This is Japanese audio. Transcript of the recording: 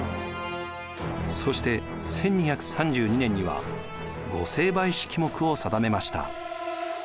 そして１２３２年には御成敗式目を定めました。